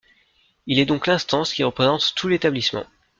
Il est donc l'instance qui représente tout l'établissement.